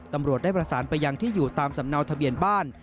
ตำรวจได้ประสานไปยังที่อยู่ตามสำเนาทะเบียนบ้าน